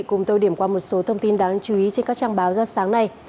cùng tôi điểm qua một số thông tin đáng chú ý trên các trang báo ra sáng nay